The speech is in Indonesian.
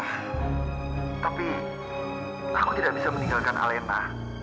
tapi aku tidak bisa meninggalkan alena